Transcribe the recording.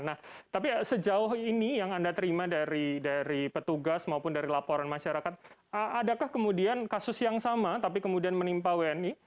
nah tapi sejauh ini yang anda terima dari petugas maupun dari laporan masyarakat adakah kemudian kasus yang sama tapi kemudian menimpa wni